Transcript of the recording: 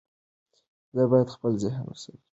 زه باید خپل ذهن په اوسني حالت کې وساتم.